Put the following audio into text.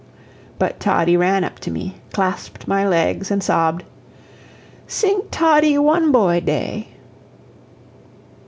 But Toddie ran up to me, clasped my legs, and sobbed. "Sing 'Toddie one boy day.'"